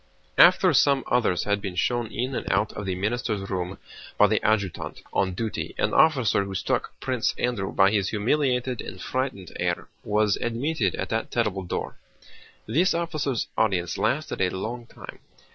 After some others had been shown in and out of the minister's room by the adjutant on duty, an officer who struck Prince Andrew by his humiliated and frightened air was admitted at that terrible door. This officer's audience lasted a long time.